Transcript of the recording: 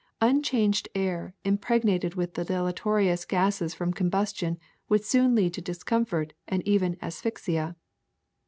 Unchanged air impregnated with the deleterious gases from combustion would soon lead to discom fort and even asph}^ia.